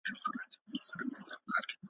چې آسمان پیاله د عدل په تکل ږدي.